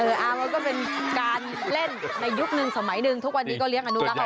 เออเอาว่าก็เป็นการเล่นในยุคหนึ่งสมัยหนึ่งทุกวันนี้ก็เลี้ยงอนุรักษณ์เอาไว้